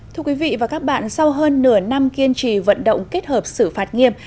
thưa quý vị và các bạn sau hơn nửa năm kiên trì vận động kết hợp xử phạt nghiêm